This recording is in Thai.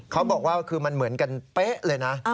เขาบอกว่าคือมันเหมือนกันเป๊ะเลยนะ